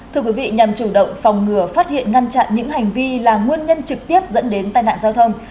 thưa quý vị nhằm chủ động phòng ngừa phát hiện ngăn chặn những hành vi là nguyên nhân trực tiếp dẫn đến tai nạn giao thông